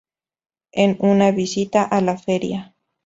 En una visita a la feria.